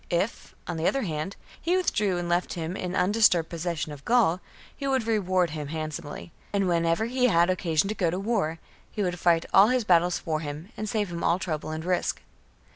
If, on the other hand, he withdrew and left him in undisturbed possession of Gaul, he would reward him handsomely ; and whenever he had occasion to go to war, he would fight all his battles for him and save him all trouble and risk.